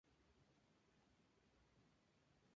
Al día siguiente comenzó la demolición del recinto.